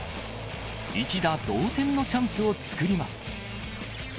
一打同点のチャンスを作ります。